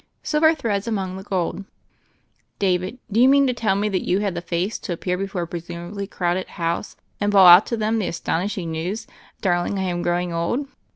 "Silver Threads Among the Gold." "David, do you mean to tell me that you had the face to appear before a presumably crowded house, and bawl out to them the as tonishing news, *Darling, I am growing old'?"